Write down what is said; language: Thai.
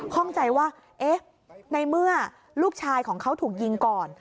ข้องใจว่าเอ๊ะในเมื่อลูกชายของเขาถูกยิงก่อน